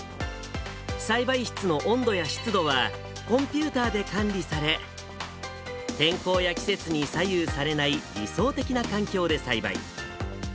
栽培室の温度や湿度は、コンピューターで管理され、天候や季節に左右されない理想的な環境で栽培。